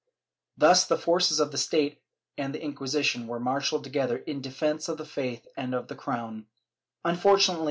Thus the forces of the State and the Inquisition were marshalled together in defence of the faith and of the crown; unfortunately